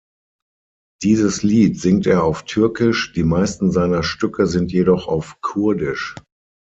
Dieses Lied singt er auf Türkisch, die meisten seiner Stücke sind jedoch auf Kurdisch.